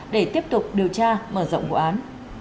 để tiếp tục điều tra mở rộng vụ án